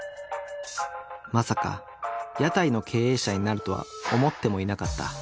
まさか屋台の経営者になるとは思ってもいなかった。